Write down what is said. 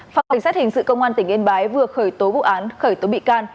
phòng cảnh sát hình sự công an tỉnh yên bái vừa khởi tố vụ án khởi tố bị can